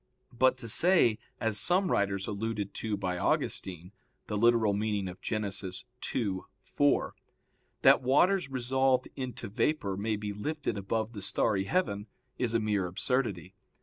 But to say, as some writers alluded to by Augustine (Gen. ad lit. ii, 4), that waters resolved into vapor may be lifted above the starry heaven, is a mere absurdity.